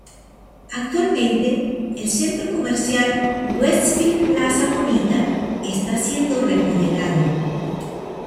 Actualmente el centro comercial Westfield Plaza Bonita está siendo remodelado.